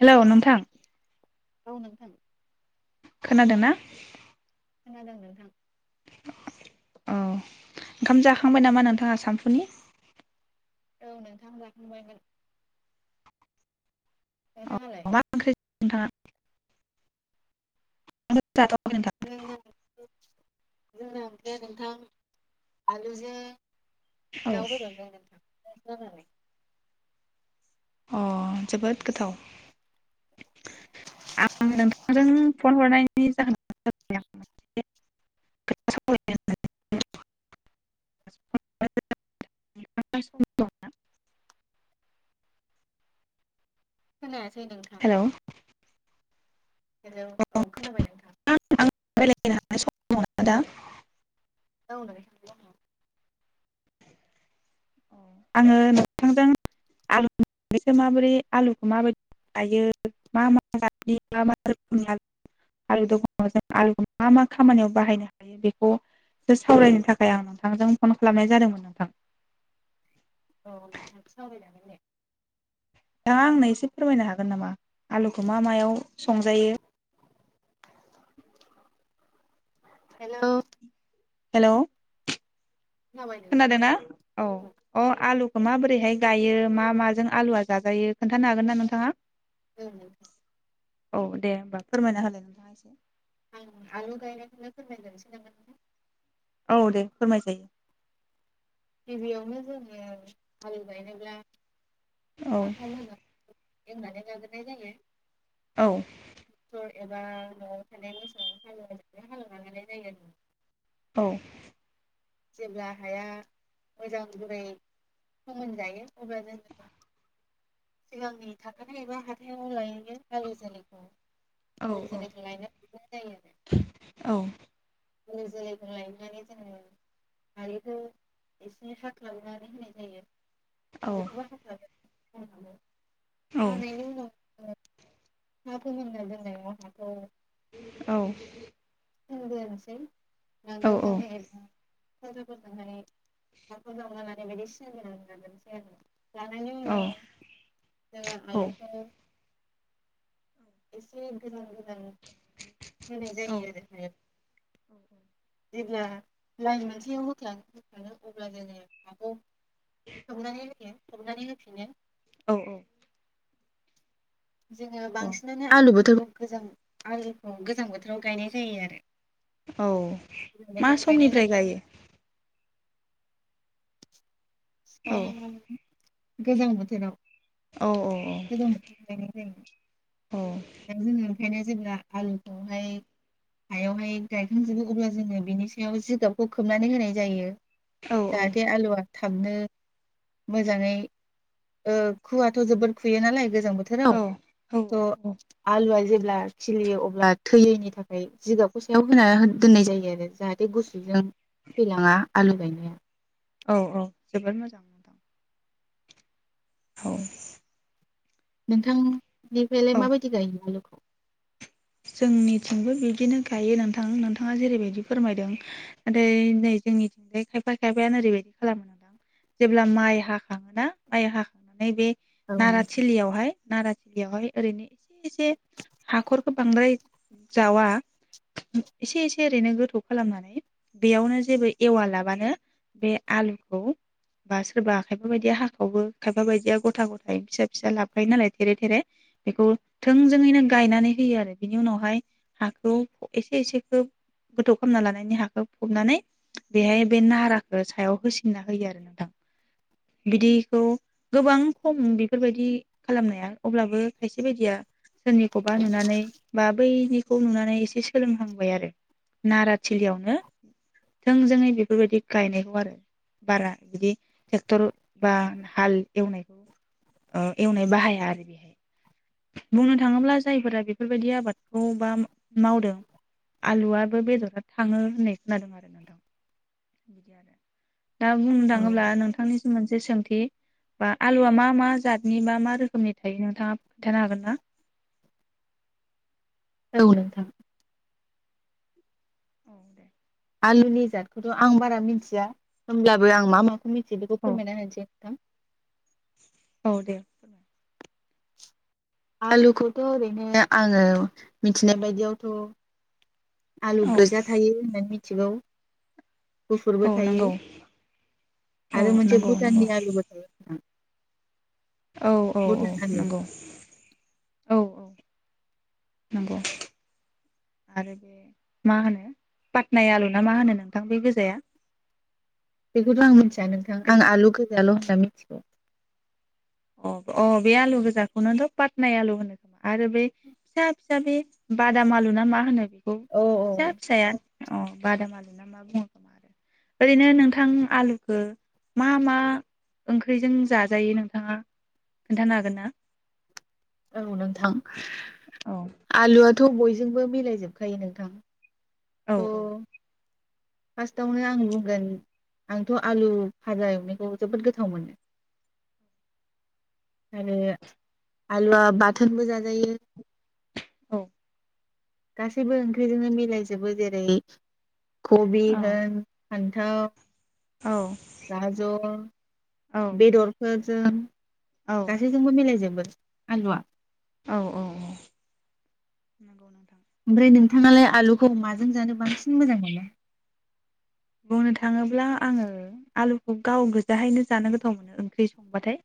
Hello नोंथां औ नोंथां खोनादोंना खोनादों नोंथां औ ओंखाम जाखांबाय नामा नोंथाङा सानफुनि औ नोंथां जाखांबायमोन नोंथाङालाय माबा ओंख्रि नोंथाङा औ [unintelligible] [unintelligible] नोंथां आलुजों औ दाउ बेदरजों द [unintelligible] अ जोबोद गोथाव आं नोंथांजों फन हरनायनि जाहोन खोथ स खोनायासै नोंथां हेलौ हेलौ औ खोनाबाय नोंथां बेलहैनो हानाय सम मोन दा [unintelligible] औ दे आङो नोंथांजों आलुसो माबोरै आलुखौ माबायदि लायो मा मा गि मा मा रोखोमनि आलु दखानाव जों आलुखौ मा मा खामानियाव बाहायनो हायो बेखौसो सावरायनो थाखाय आं नोंथांजों फन खालामनाय जादोंमोन नोंथां औ नोंथ सावरायलांगोन दे नोंथाङा आंनो एसे फोरमायनो हागोन नामा आलुखौ मा मायाव संजायो हेलौ हेलौ खोनाबाय नोंथां खोनादोंना औ अ आलु माबोरैहाय गायो मा माजों आलुआ जाजायो खोन्थानो हागोन ना नोंथाङा [inaudible] औ दे होमबा फोरमायना हो आं आलु गायनायखौनो फोरमाय जानोसै नामा औ दे फोरमाय जायो गिबियावनो जोङो आालु गायनोब्ला औ आ [unintelligible] [unintelligible] औ एबा नवाव थानायान मोसौ हालेव हालेवना लानाय जायो आरो औ जेब्ला हाया मोजां गुरै फोमोनजायो अब्ला जोङो सिगांनि थाखानाय एबा हाथायाव लायैनो गारि जालिखौ औ [unintelligible] जो जोलैखौ औ लायनानै जोङो आलुखौ एसे हाख्लाबनानै होनाय जायो औ [unintelligible] [inaudible] औ हानायनि उनाव [unintelligible] औ [unintelligible] नांगोलजों [unintelligible] [inaudible] लानायनि उनाव जोङो आलुखौ एसे गोजान गो औ होननाय औ जायो आरो [unintelligible] जेब्ला लाइन मोनसेयाव होखां होखाङो अब्ला जोङो हाखौ खोबनानै होयो। खोबनानै होफिनो औ औ जोङो बांसिनानो आलु बो गोबां गोजां आललिखौ गोजां बोथोराव गायनाय जायो आरो। औ गोजां मा बोथोराव गायनाय समनिफ्राय जायो गायो? औ [inaudible] गोजां बोथोराव औ [unintelligible] जायो [unintelligible] जोङो ओंखायनो जेब्ला आलुखौहाय हायावहाय गायखांजोबो अब्ला जोङो बिनि सायाव जिगाबखौ खोबनानै होनाय जायो। जाहाथे आलुवा था थाबनो मोजाङै ओ खुवाथ' जोबोर खुयो नालाय गोजां बोथोराव औ औ थ' आलुवा जेरै ब्ला खिलियो अब्ला थैयैनि थाखाय जिगाबखौ सायाव होना दोननाय जायो आरो जाहाथे गुसुजों थैलाङा आलु गायनाया औ औ जोबोर मोजां नोंथां। औ नोंथां बेफायलाय माबायदि गायो आलुखौ? जोंनिथिंबो बिदिनो गायो नोंथां नोंथाङा जेरैबायदि फोरमायदों नाथाय नै जोंनिथिंजाय खायफा खायफायानो ओरैबायदि खालामो नोंथां जेब्ला माइ हाखाङोना माइ हाखांनानै बे औ नोंथां नाराथिलियावहाय नाराथिलियावहाय ओरैनो एसे एसे हाखर खो बांद्राय जावा एसे एसे ओरैनो गोथौ खालामनानै बेयावनो जेबो एवा लाबानो बे आलुखौ बा सोरबा खायफा बायदिया हाखावबो खायफा बायदिया गथा गथाय फिसा फिसा लाबोखायो नालाय थेरे थेरे बेखौ थोंजोङैनो गायनानै होयो आरो बिनि उनावहाय हाखौ एसे एसेखो गोथौ खालामना लानायनि हाखौ फबनानै बेहाय बे नाराखौ सायाव होसिनना होयो आरो नोंथां बिदिखौ गोबां खम बेफोरबायदि खालामनाया अब्लाबो खायसे बायदिया सोरनिख'बा नुना नै बा बैनिखौ नुनानै एसे सोलोंहांबाय आरो नाराथिलियावनो थोंजोङै बेफोरबायदि गायनायखौ आरो बारा बिदि ट्रेक्टर बा हाल एवनायखौ एवनाय ओ बाहाया आरो बेहाय बुंनो थाङोब्ला जायफोरा बेफोरबायदि आबादखौ बा मावदों आलुआबो बेदरा थाङो होननाय खोनादों आरो नोंथां। [inaudible] दा बुंनो औ थाङोब्ला नोंथांनि सो से सोंथि बा आलुआा मा मा जातनि बा मा रोखोमनि थायो नोंथाङा खोन्थानो हागोन ना? औ नोंथां। औ दे आलुनि जादखौथ' आं बारा मिन्थिया होनोमब्लाबो आं मा मा मिथि बेखौ औ फोरमायना होनोसै नोंथां औ दे आलुखौथ' ओरैनो आङो मिथिनाय बायदियावथ' आलु औ गोजा थायो होननानै मिथिगौ औ गुफुरबो थायो नंगौ औ आरो मोनसे नंगौ नंगौ भुटाननि आलुबो थायो नोंथां। औ औ औ भुटान आलु नंगौ औ औ नंगौ आरो बे मा होनो पाटनाय आलु ना मा होनो नोंथां बे गोजाया बेखौथ' आं मिथिया नोंथां आं आलु गोजाल' जा मिथिगौ अ अ बे आलु गोजाखौनोथ' पातनाय आलु होनो खोमा आरो बे फिसा फिसा बे बादाम आलु ना मा होनो बे। औ फिसा फिसाया अ बादाम आलु ना मा बुङो खोमा आरो ओरैनो नोंथां आलुखौ मा मा ओंख्रिजों जाजायो नोंथाङा खोन्थानो हागोन ना औ नों थां औ आलुआ थ' बयजोंबो मिलायजोबखायो नोंथां औ थ' औ फार्स्टआवनो आं बुंगोन आंथ' आलु फाजा एवनायखौ जोबोद गोथाव मोनो आरो आलुआ बाथोनबो जाजायो औ गासैबो ओंख्रिजोंनो मिलायजोबो जेरै कबि होन फान्थाव औ गाजर औ बेदरफोर जों औ गासैजोंबो मिलाय जोबो आलुवा औ औ औ नगौ नोंथां ओमफ्राय नोंथाङालाय आलुखौ माजों जानो बांसिन मोजां मोनो? बुंनो थाङोब्ला आङो आलु गाव गोजाहायनो जानो गोथाव मोनो ओंख्रि संबाथाय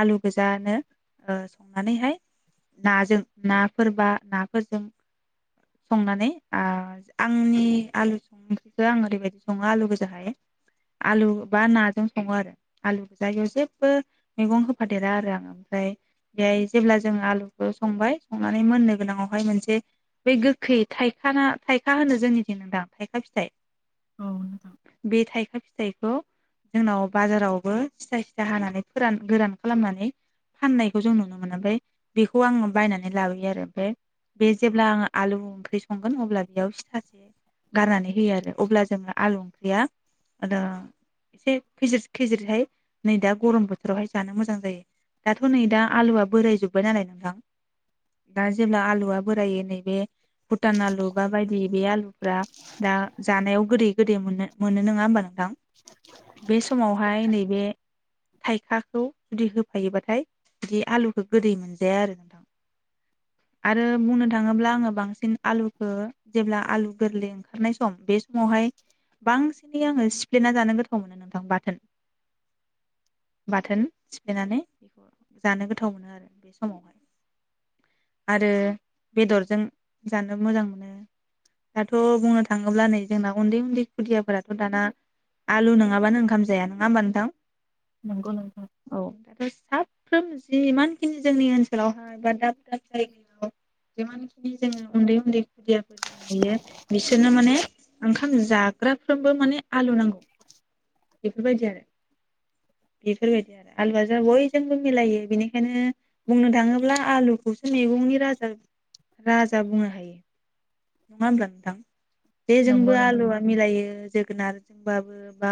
आलु गोजानो ओ संनानैहाय नाजों नाफोर बा नाफोरजों संनानै ओ आंनि आलु सं ओंख्रिखौ आं ओरैबायदि सङो आलु गोजाहाय आलु बा नाजों सङो आरो आलु गो जायगायाव जेबो मैगं होफादेरा आरो आङ ओमफ्राय बेहाय जेब्ला जों आलुखौ संबाय संनानै मोननो गोनाङावहाय मोनसे बै गोखै थाइखा ना थाइखा होनो जोंनिथिं नदां थाइखा फिथाइ औ नोंथां बे थाइखा फि फिथाइखौ जोंनाव बाजारावबो सिथा सिथा हानानै फोरान गोरान खालामनानै फाननायखौ जों नुनो मोनो ओमफ्राय बेखौ आङो बायनानै लाबोयो आरो ओमफ्राय बे जेब्ला आङो आलु ओंख्रि संगोन अब्ला बेयाव सिथासे गारनानै होयो आरो अब्ला जो आलु ओंख्रिया एसे खेजिर खेजिरहाय नै दा गरम बोथोरावहाय जानो मोजां जायो दाथ' नै दा आलुआ बोराय जोब्बाय नालाय नोंथां दा जेब्ला आलुआ बोरायो नैबे भुटान आलु बा बायदि बे आलुफ्रा दा जानायाव गोदो मोननो मोनो नोङा होमबा नों थां बे समावहाय नैबे थाइखाखौ जुदि होफायोबाथाय बि आलुखौ गोदै मोनजाया आरो नोंथां आरो बुंनो थाङोब्ला आङो बांसिन आलुखौ जेब्ला आलु गोरलै ओंखारनाय सम बे समावहाय बांसिनै आङो सिफ्लेना जानो गोथाव मोनो नोंथां बाथोन बाथोन सिफ्लेनानै बेखौ जानो गोथाव मोनो आरो बे समावहाय आरो बेदरजों जानो मोजां मोनो दाथ' बुंनो थाङोब्ला नै जोंना उन्दै उन्दै खुदियाफोराथ' दाना आलु नङाबानो ओंखाम जाया नङा होमबा नोंथां नंगौ नोंथां औ दाथ साब साफ्रोम जि जिमानखिनि जोंनि ओनसोलावहाय बा दाब दाब जायगायाव जिमानखिनि जोङो उन्दै उन्दै खुदियाफोर जों नुयो बिसोरनो माने ओंखाम जाग्राफ्रोमबो माने आलु नांगौ बेफोरबायदि आरो बेफोरबायदि आरो आलुआ जों बयजोंबो मिलायो बेनिखायनो बुंनो थाङोब्ला आलुखौसो मैगंनि राजा राजा बुंनो हायो नङा होमब्ला नोंथां बेे नंगौ जोंबो नोंथां आलुआ मिलायो जों जोगोनारजोंबाबो बा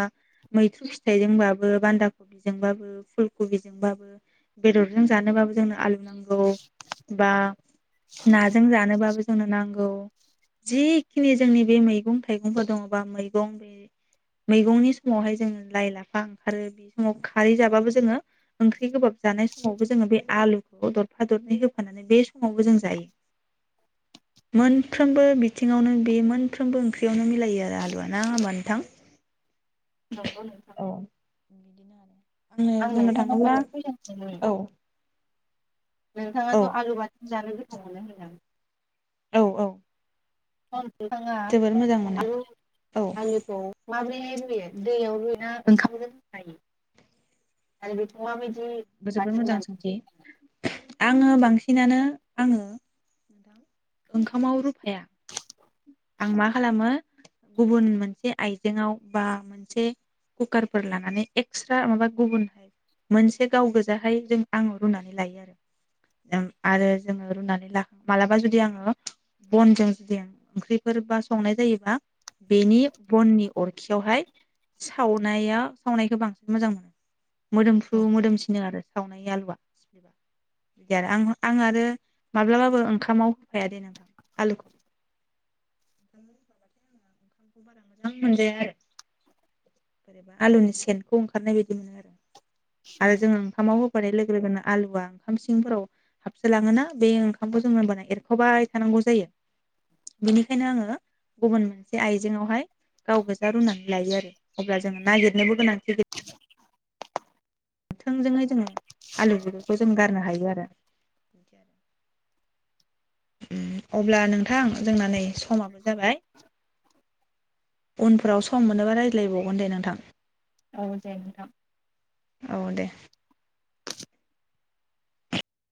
मैथ्रु फिथाइजोंबाबो बान्दा खबिजोंबाबो फुल कबिजोंबाबो बेदरजों जानोबाबो जोंनो आलु नांगौ बा नाजों जानोबाबो जोंनो नांगौ जिखनि जोंनि बे मैगं थाइगंफोर दं बा मैगं बे मैगंनि समावहाय जों लाइ लाफा ओंखारो बे समाव खारै जाबाबो जोङो ओंख्रि गोबाब जानाय समावबो जोङो बे आलुखौ दरफा दरनै होफानानै बे समावबो जों जायो मोनफ्रबो बिथिावनो बे सानफ्रोमबो ओंख्रियावनो मिलायो आरो आलुआ ना होमबा नोथां नंगौ नोंथां बिदिनो आरो आङो आं बुंनो नोंथांनाव थाङोब्ला मोनसे कुइसन सोंनि औ औ नोंथाङाथ' आलु बाथोन जानो गो थावानो होनदों आं औ औ ओम नोंथाङा जोबोद मोजां मोनो आलु औ आलुखौ माब्रैहाय रुयो दैयाव रुयोना ओंखामजों रुफायो आरो बे मोजां जोबोर मोजां सोंथि आङो बांसिनानो आङो दा ओंखामाव रुफाया आं मा खालामो गुबुन मोनसे आइजेंआव बा मोनसे कुकारफोर लानानै एक्सट्रा माबा गुबुनहाय मोनसे गाव गोजाहाय जों आङो रुनानै लायो आरो जों जोङो रुनानै लाखा मालाबा जुदि आङो बनजों जुदि ओंख्रिफोर बा संनाय जायोबा बेनि बननि अरखियावहाय सावनाया सावनायखौ बांसिन मोजां मोनो मोदोमफ्रु मोदोमसिनो आरो सावनाय आलुआ सिफ्लेबा बिदि आरो आं आं आरो माब्लाबाबो ओंखामाव होफाया दे नोंथां आलुखौ [inaudible] ओंखामखौ बारा मोजां मोनजाया आरो बोरैबा आलुनि सेनखौ ओंखारनाय बायदि मोनो आरो औ आरो जोंङो ओंखामाव होब होफानाय लोगो लोगोनो आलुआ ओंखाम सिंफोराव हाबसोलाङोना बे ओंखामखौ जों होमबाना एरख'बाय थानांगौ जायो बेनिखायनो आङो गुबुन मोनसे आइजेंआवहाय गाव गोजा रुनानै लायो आरो अब्ला जोङो नागिरनोबो गोनांथि गैया थोंजोंयै जोङो आलु बिगुरखौ जों गारनो हायो आ ओ अब्ला नोंथां जोंना नै समाबो जाबाय उनफोराव सम मोनोबा रायज्लायबावगोन दे नोंथां औ जायो नोंथां औ दे